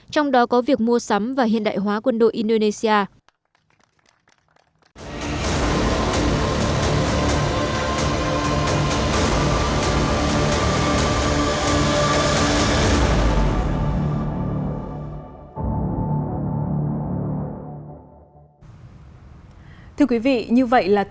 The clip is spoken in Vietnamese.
trong đó có việc mua sắm và hiện đại hóa quân đội indonesia